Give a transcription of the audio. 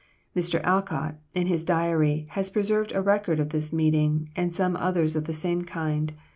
Mr. Alcott, in his diary, has preserved a record of this meeting, and some others of the same kind.